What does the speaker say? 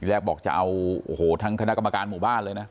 แรกบอกจะเอาโอ้โหทั้งคณะกรรมการหมู่บ้านเลยนะ